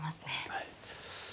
はい。